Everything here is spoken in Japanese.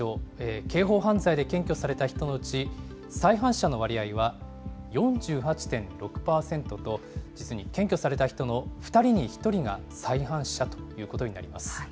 刑法犯罪で検挙された人のうち、再犯者の割合は４８．６％と、実に検挙された人の２人に１人が再犯者ということになります。